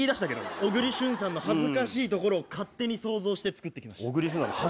小栗旬さんの恥ずかしいところを勝手に想像して作ってきました。